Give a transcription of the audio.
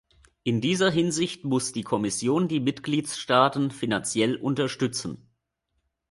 In dieser Hinsicht muss die Kommission die Mitgliedstaaten finanziell unterstützen.